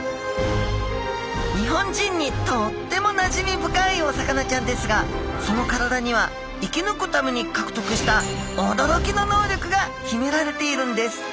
日本人にとってもなじみ深いお魚ちゃんですがその体には生き抜くために獲得した驚きの能力がひめられているんです！